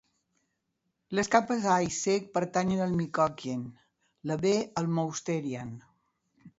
Les capes A i C pertanyen al Micoquien, la B al Mousterian.